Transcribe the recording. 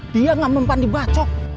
dia ngemempan di bacok